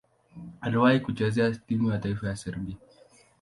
Aliwahi kucheza timu ya taifa ya Serbia.